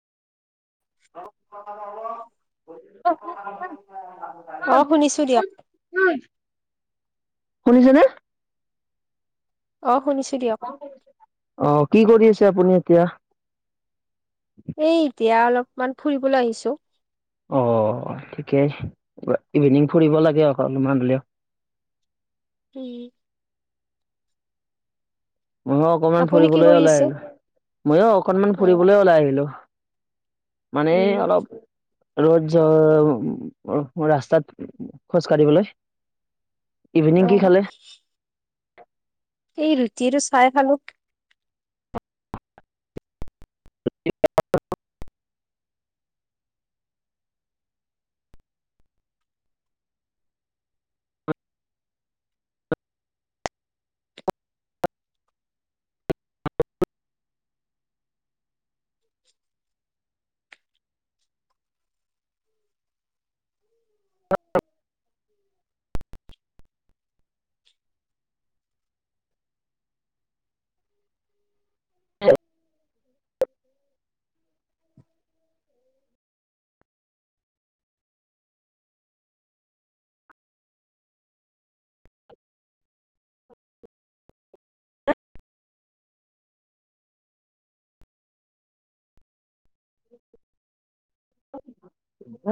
অ', অ শুনিছো দিয়ক [unintelligible] উম, শুনিছেনে? অ', শুনিছোঁ দিয়ক। অ', কি কৰি আছে আপুনি এতিয়া? এই এতিয়া অলপমান ফুৰিবলৈ আহিছোঁ। অ', ঠিকেই, ইভিনিং ফুৰিব লাগে অকমান হ'লেও। উম। ময়ো অকনমান আপুনি কি ফুৰিবলৈ কৰি হলে আছে ময়ো অকনমান অ ফুৰিবলৈ ওলাই আহিলো। মানে এই উম অলপ ৰ'দ য ৰাস্তাত খোজ কাঢ়িবলৈ ইভিনিং অ কি খালে? এই ৰুটি আৰু চাই খালো। [inaudible] [inaudible] [inaudible]